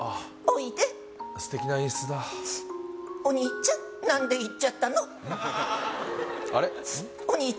おいで素敵な演出だお兄ちゃん何で逝っちゃったの？